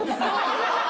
ハハハハ！